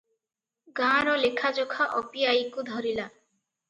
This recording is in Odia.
ଗାଁର ଲେଖାଯୋଖା ଅପି ଆଈକୁ ଧରିଲା ।